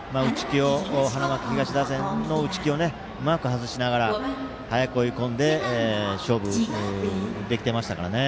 花巻東打線の打ち気をうまく外しながら早く追い込んで勝負できていましたからね。